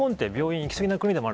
行き過ぎ？